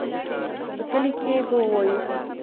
په کلي کښې به ووايو.